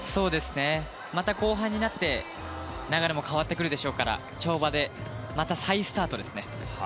後半になって流れも変わってくるでしょうから跳馬でまた再スタートですね。